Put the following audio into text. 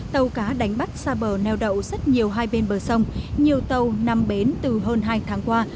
tàu cá đánh bắt xa bờ neo đậu rất nhiều hai bên bờ sông nhiều tàu nằm bến từ hơn hai tháng qua